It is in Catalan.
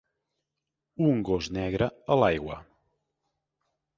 Un gos negre a l'aigua.